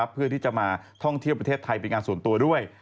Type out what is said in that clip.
เพื่อที่จะมาท่องเที่ยวประเทศไทยเป็นงานส่วนตัวด้วย